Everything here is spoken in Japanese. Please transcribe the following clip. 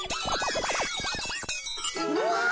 うわ！